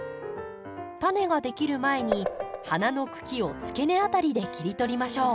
タネができる前に花の茎をつけ根辺りで切り取りましょう。